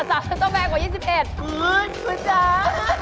อู๋ผัวจ๋าต้องแพงกว่า๒๑